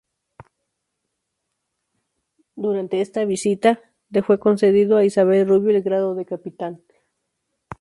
Durante esa visita le fue concedido a Isabel Rubio el grado de capitán.